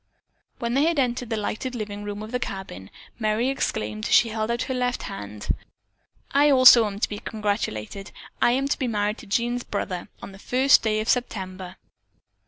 When they had entered the lighted living room of the cabin, Merry exclaimed as she held out her left hand, "I also am to be congratulated. I am to be married to Jean's brother on the first day of September."